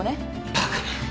バカな！